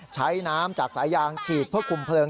ใช้น้ำจากสายยางฉีดเพื่อคุมเพลิง